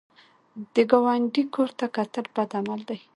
د ګاونډي کور ته کتل بد عمل دی